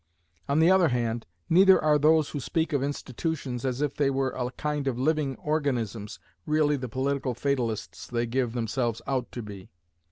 On the other hand, neither are those who speak of institutions as if they were a kind of living organisms really the political fatalists they give themselves out to be.